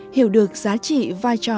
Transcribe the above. hiểu được giá trị vai trò